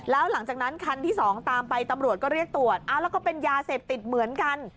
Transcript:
แล้วหลังจากนั้นคันที่๒ตามไปตำรวจก็เรียกตรวจแล้วก็เป็นยาเสพติดเหมือนกัน